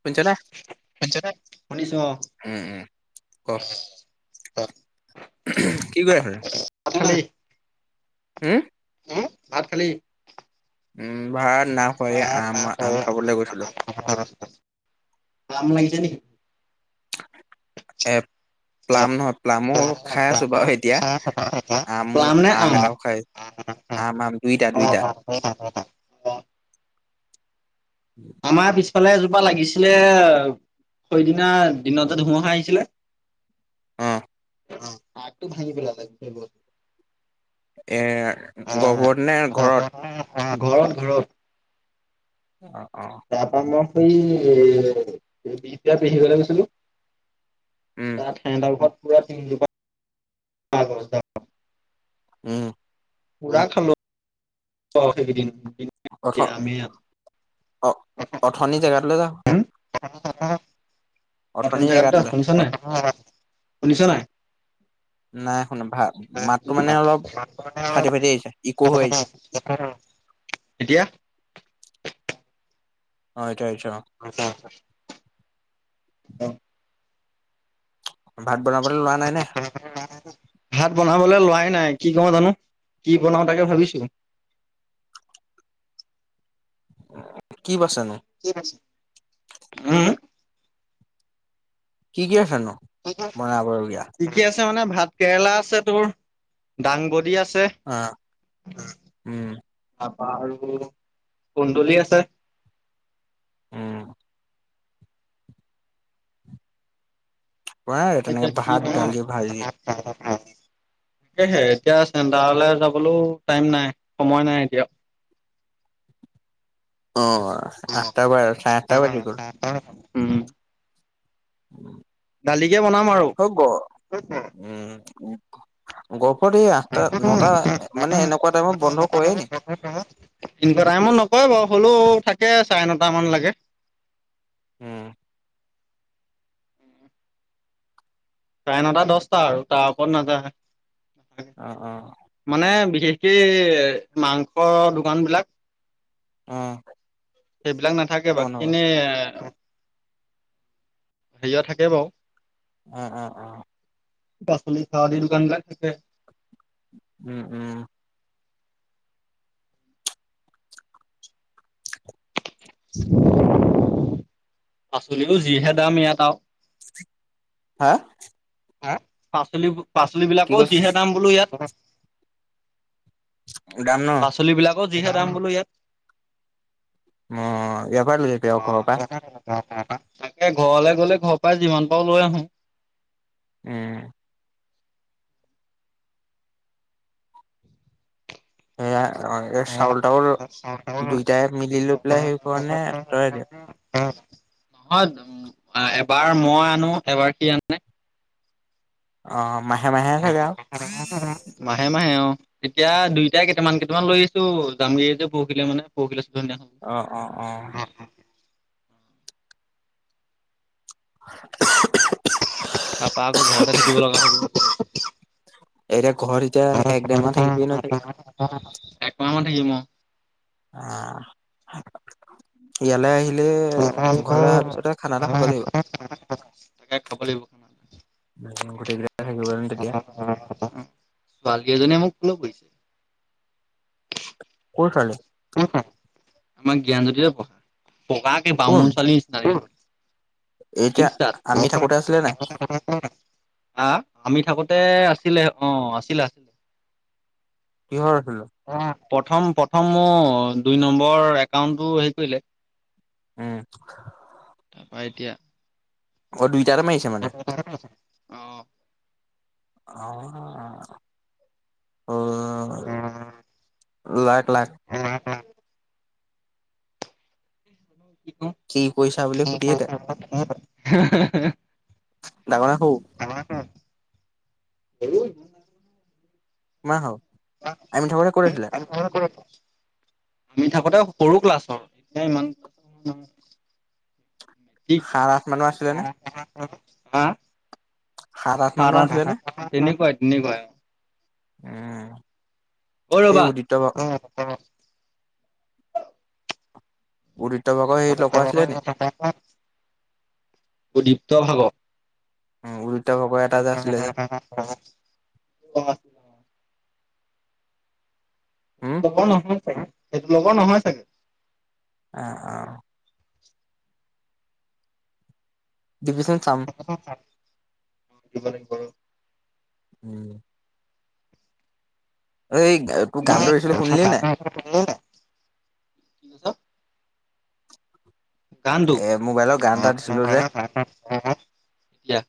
শুনিছা নে? শুনিছ নে শুনিছো অ। উম উম। ক কি কৰি আছ এতিয়া। আপুনি। হুম। হুম ভাত খালি? উম ভাত নাইখোৱা এই আম আম খাবলৈ গৈছিলো। আম লাগিছে নেকি? এপ। প্লাম নহয় প্লামো খাই আছো বাৰু এতিয়া আমো প্লাম নে আম এটাও খাই অ। আম আম দুইটা দুইটা। অ দুইটা দুইটা। [inaudible] আমাৰ পিছফালে এজোপা লাগিছিলে। সেইদিনা দিনতে ধুমুহা আহিছিলে। অ', অ' আগটো ভাঙি পেলালে গোটেই গছজোপাৰ। এ গহপুৰতনে ঘৰত? হা'? ঘৰত ঘৰত। অ', অ'। তাৰপা মই সেই এ বিহপুৰীয়া পেহীৰ ঘৰলে গৈছিলো। উম। [unintelligible] ঘৰত পুৰা তিনিজোপা [unintelligible] গছ উম। পুৰা খালো অ' সেইকেদিন। অথ অ' [unintelligible] অথনি জেগাটোলৈ যা [unintelligible] অথনি নতুন জেগাত দ জেগাটোলৈ শুনিছ নাই শুনিছ নাই নাই শুনা। ভাল ফাটি আহিছে ইকো হৈ আহিছে [unintelligible] এতিয়া অ' এতিয়া আহিছে অ'। [unintelligible] ভাত বনাবলৈ লোৱা নাই নে? [unintelligible] ভাত বনাবলৈ লোৱাই নাই কি কওৰো জানো কি বনাও জানো তাকে ভাবিছো। কি বাছেনো। [unintelligible] উম হম কি কি ৰাখেনো? কি কি আছে মানে ভাত কেৰেলা আছে তোৰ দাংবডি আছে অ', উম। তাৰপা আৰু কুন্দুলি আছে। উম। বনাই তেনেকে এতিয়া কি ভাত দালি ভাজি [unintelligible] তাকেহে এতিয়া চেণ্টাৰলৈ যাবলৈও টাইম নাই সময় নাই এতিয়া। অ' আঠটা বা চাৰে আঠটা বাজি গ'ল। উম দালিকে বনাম আৰু। হৈ গ'ল, উম। গহপুৰত এই আঠটা নটা মানে এনেকুৱা টাইমত বন্ধ কৰে নেকি? এনেকুৱা টাইমট নকযৰে বাৰু, হ'লেও থাকে চাৰে নটা মান লৈকে। উম। চাৰেনটা দহটা আৰু তাৰ ওপৰত নাযায়। অ', অ'। মানে বিশেষকে মাংসৰ দোকান বিলাক অ'। সেইবিলাক নাথাকে, বাকী বনাবা খিনি হেৰিয়া থাকে বাৰু। অ', অ', অ'। পাচলি খৰদি দোকান বিলাক থাকে। উম, হুম। [unintelligible] পাচলিও যিহে দাম ইয়াত আৰু। হা'? পাচলিবোৰ, কি পাচলিবিলাকও কৈছ যিহে দাম বোলো ইয়াত। যাম ন পাচলিবিলাকও যিহে দাম বোলো ইয়াত। অ ইয়াৰ পৰা লৈ যাবি আৰু ঘৰৰ অ', পৰা [inaudible] অ', অ', তাকে ঘৰলে গ'লে ঘৰ পৰাই যিমান পাৰো লৈ আহো। উম। সেয়া অ', এ চাউল তাউল দুইটাই মিলি লৈ পেলাই হেৰি কৰ নে, তয়ে দিয়। নহয় এ-এবাৰ মই আনো, এবাৰ সি আনে। অ', অ' মাহে মাহে নে [inaudible] উহো, মাহে মাহে, অ'। এতিয়া দুইটাই কেইটামান কেইটামান লৈ আহিছোঁ। জামেই যেতিয়া পৰহিলে মানে, [inaudible] দেখা অ', অ', অ'। [unintelligible] তাৰপৰা আকৌ ঘৰতে থাকিব লগা হ'ব। এতিয়া ঘৰত এতিয়া, এক-ডেৰ মাহ থাকিবি নহয় চাগে। অ', অ', অ' এক মাহ মান থাকিম অহ'। অহ'। ইয়ালৈ আহিলে, ঘৰলে অহাৰ পিছতে খানা এটা খাব লাগিব। তাকে, খাব লাগিব। গোটেই কেইটাই থাকিব পাৰিম নহয় তেতিয়া। অ' [inaudible] ছোৱালী এজনীয়ে মোক ফ'ল কৰিছে। ক'ৰ ছোৱালী? আমাৰ জ্ঞানজ্যোতিতে পঢ়া, বগাকে কোন বামুণ ছোৱালীৰ নিচিনা দেখিব। এতিয়া ইষ্টাট আমি থাকোতে আছিলে নাই [inaudible] আআ, আমি থাকোতে আছিলে, অ' আছিলে আছিল। কিহৰ আছিলে? অ' প্ৰথম, প্ৰথম মোৰ দুই নম্বৰ একাউণ্টটো হেৰি কৰিলে। উম। তাৰ পৰা এতিয়া অ' দুইটাতে মাৰিছে মানে, অ অহ'। অ' লাখ লাখ কি কৰিছা বুলি কৰোঁ সুধিয়ে দে [unintelligible] নাৰাখোঁ। এই কিমান হ'ল, আমি থাকোঁতে ক'ত আছিলে। এইফালে ক'ত আছে। নি থাকোতে সৰু ক্লাছৰ, এ ইমান ক্লাছ দি সাত আঠ মানৰ আছিলে নে [unintelligible] হা। সাত আঠ মানৰ সাত-আঠ, আছিলে নে [inaudible] তেনেকুৱাই তেনেকুৱাই, অহ'। উম। ঐ এই ৰ'বা! উদিপ্ত বা উদীপ্ত লগত [inaudible] উদীপ্ত ভাগ উম, উদীপ্ত লগৰে [unintelligible] উম লগৰ নহয় চাগে, সেইটো লগৰ নহয় চাগে। অ', অ'। দিবিচোন চাম। দিবি চোন চাম দিব লাগিব ৰ'। উম। আৰু এই তোৰ গান দিছিলো শুনিলি নে নাই? সেই টো শুনিলি নে নাই? গানটো এ মোবাইলৰ গান এটা দিছিলো যে [unintelligible] এতিয়া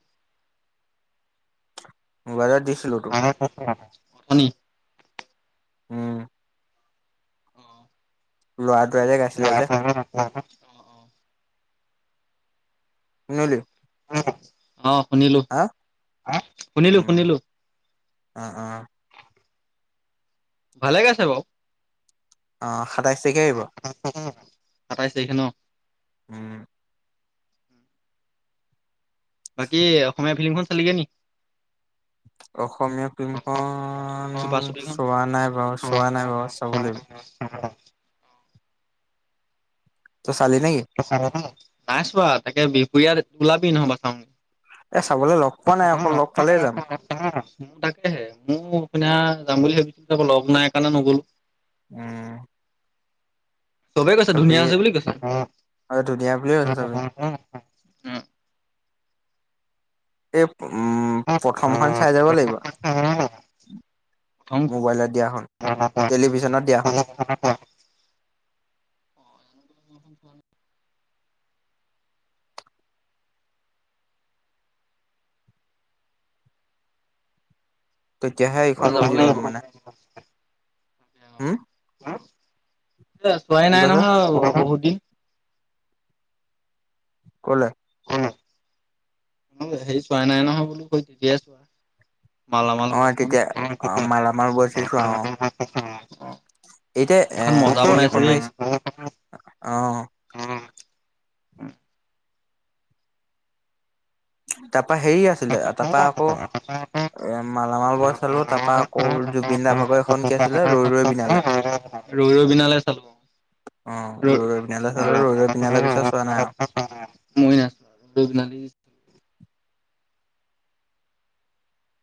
মোবাইলত দিছিলো। তো [unintelligible] [unintelligible] উম অ'। ল'ৰাটোৱে যে গাইছিলে যে [unintelligible] [unintelligible] অ', শুনিলো হা শুনিলো উম শুনিলো। অ', অ'। ভালে গাইছে বাৰু। অ', সাতাইছ তাৰিখে আহিব। সাতাইছ তাৰিখে ন'? উম। বাকী অসমীয়া ফিল্মিখন চালিগে নি? অসমীয়া ফিল্মখন চুপা চুপিখন চোৱা নাই বাৰু চোৱা নাই বাৰু চাব লাগিব। তই চালি নে কি? নাই চোৱা, তাকে বিহপুৰীয়াত ওলাবি নহবা চাওঁ। এ চাবলৈ ল'গ পোৱা নাই আকৌ ল'গ পালেই যাম। আহ মোৰ তাকেহে মোৰ আপুনাৰ যাম বুলি ভাবিছিলো যাব ল'গ নাই কাৰণে নগ'লো। উম। চবে গৈছে ধুনীয়া চবেই আছে বুলি কৈছে অ', ধুনীয়া বুলিয়ে কৈছে চবেই [unintelligible] এই উম, প্ৰথমখন চাই যাব লাগিব। মোবাইলত দিয়াখন, প্ৰথমখন টেলিভিছনত দিয়াখন। [unintelligible] [unintelligible] তেতিয়াহে এইখনো যাব বুজি পাম লাগিব। মানে। হম্? চোৱাই নাই নহয় বহুত দিন। ক'লে? সেই চোৱা নাই নহয় বোলো তেতিয়াই চোৱা। মালামাল অ', বইজখন। তেতিয়াই অ', মালামাল বইজেই চোৱা অ'। এতিয়া এ এখন মজা হেৰি বনাইছে এখনো দেই। আহিছে, অ'। তাৰপা হেৰি আছিলে তাৰপা আকৌ এ মালামাল বয়জ চালো, তাৰ পৰা আকৌ জুবিন দা ভাগৰ এখন কি আছিলে ৰৈ ৰৈ বিনালে। ৰৈ ৰৈ বিনালে চালো। অ', ৰৈ ৰৈ বিনালে চালো, ৰৈ ৰৈ বিনালে পিছত চোৱা নাই আৰু। ময়ো নাই, ৰৈ ৰৈ বিনালে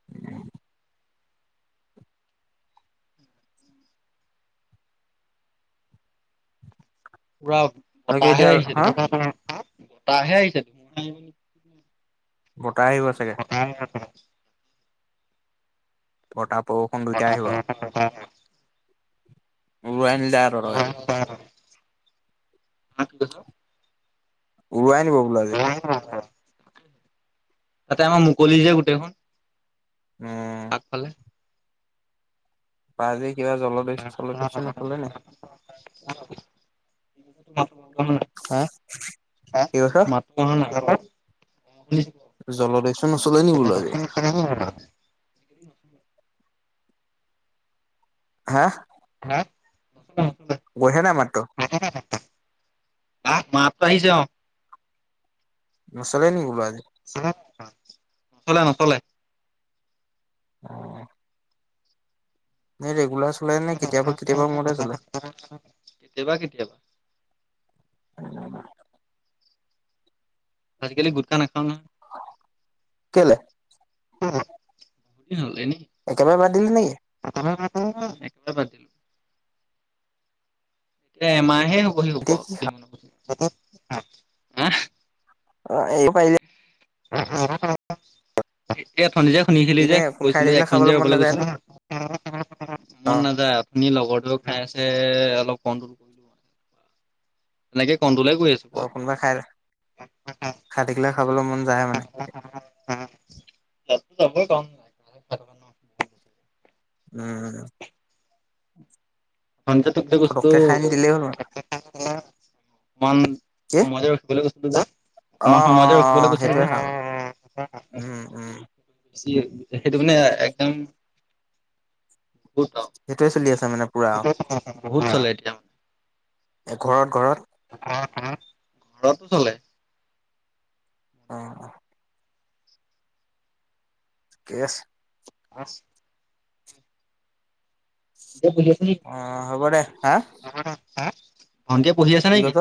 [inaudible] পুৰা বাকী বতাহে এতিয়া আহিছে হা দেখোন বতাহে আহিছে দেখোন। বতাহ আহিব চাগে! [inaudible] বতাহ নেকি? বৰষুণ দুইটাই আহিব। উৰুৱাই নিলে আৰু তঁহতক আজি। উৰুৱাই নিব বোলো আজি। তাতে আমাৰ মুকলি যে গোটেইখন। উম। আগফালে? পাৰ যদি কিবা জল [inaudible] হা কি কৈছ [inaudible] জলদৈসু নচলে নি বোলো আজি? [inaudible] [inaudible] হা? [inaudible] গৈছে নাই মাতটো? [unintelligible] হা মাততো আহিছে অ'। নচলে নেকি বোলো আজি? [unintelligible] নচলে নচলে। অ'। এই ৰেগুলাৰ চলে নে কেতিয়াবা কেতিয়াবা মূৰতহে চলে? কেতিয়াবা কেতিয়াবা। [inaudible] আজিকালি গুটখা নাখাওঁ নহয়। কেলে? [unintelligible] কি হ'ল এনেই। একেবাৰে বাদ দিলি নে কি? [inaudible] [unintelligible] একেবাৰে বাদ দিলো। এ এমাহে হ'বহি হ'ব কি এতিয়া খা মনত পৰিছে। [unintelligible] অ', এৰিব পাৰিলি যে। [inaudible] এই ওঠনি যে শুনিছিলি যে এনে কোন খাই কৈছিলো যে থাকিলে এক মিনিট যে খাবলৈ মন ৰ'বলৈ নাযায় কৈছিলো। নে মন নাযায়, ওঠনি লগৰটোৱেও খাই আছে অলপ কণ্ট্ৰোল এনেকে কণ্ট্ৰোলে কৰি আছো। বাৰু আৰু কোনোবাই খাই খাই থাকিলে খাবলৈ মন যায়ে মানে? [inaudible] উম। [inaudible] ফটককে খাই নি দিলেই হ'ল [unintelligible] মানে অকমান সময় কি যে ৰখিবলৈ কৈছিলো অ অ যে সেইটোৱে খাম অ' অ' উম উম অ'। [unintelligible] সেইটো মানে একদম আৰু সেইটোয়ে চলি আছে মানে পুৰা আৰু বহুত চলে এতিয়া মানে এ ঘৰত ঘৰত [unintelligible] ঘৰতো চলে? অ', অ'। ঠিকে আছ আছে পঢ়ি আছে নি অ হ'ব দে হা ভণ্টিয়ে পঢ়ি আছে কি নেকি? কৈছ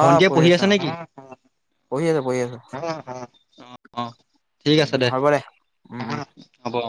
ভণ্টিয়ে পঢ়ি আছে নেকি? পঢি আছে পঢ়ি আছে অ অ অ অ ঠিক আছে দে উম অ উম হ'ব অ